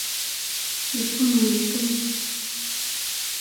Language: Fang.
Efumle ntom ;